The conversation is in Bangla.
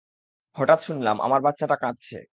হঠাৎ শুনলাম আমার বাচ্চাটা কাঁদছে।